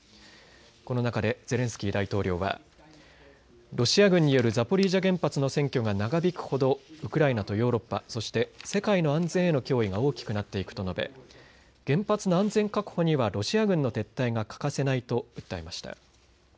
この中でゼレンスキー大統領はロシア軍によるザポリージャ原発の占拠が長引くほどウクライナとヨーロッパ、そして世界の安全への脅威が大きくなっていくと述べ原発の安全確保にはロシア軍の撤退が欠かせないと訴えました。